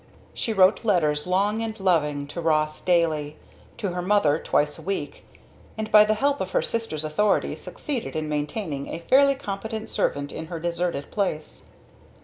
She wrote letters long and loving, to Ross daily; to her mother twice a week; and by the help of her sister's authority succeeded in maintaining a fairly competent servant in her deserted place.